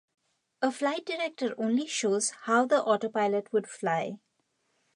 A flight director only shows how the autopilot would fly.